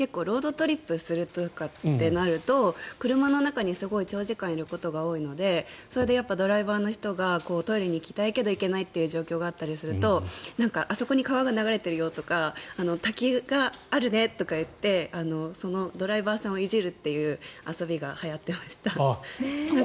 トリップするとなると車の中にすごい長時間いることが多いのでそれでドライバーの人がトイレに行きたいけど行けない状態にある時にあそこに川が流れてるよとか滝があるねとか言ってドライバーさんをいじるという遊びがはやってました。